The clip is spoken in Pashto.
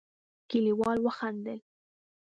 کليوالو وخندل.